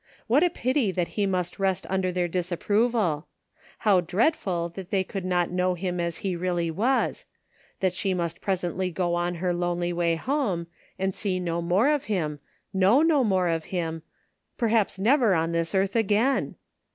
What a pity that he must rest under their disapproval How dreadful that they could not know him as he really was — that she must presently go on her lonely way home, and see no more of him, know no more of him — ^perhaps never on this earth again.